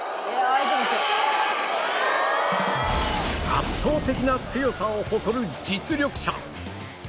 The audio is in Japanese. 圧倒的な強さを誇る実力者